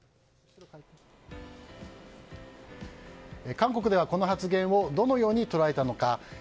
韓国ではこの発言をどのように捉えたのか。